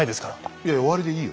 いや終わりでいいよ。